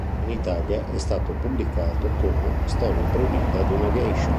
In Italia è stato pubblicato come "Storia proibita di una Geisha.